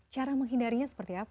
cara menghindarinya seperti apa